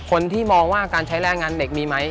คนที่มองว่าการใช้แรงงานเด็กมีไหม